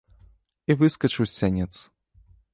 І выскачыў з сянец.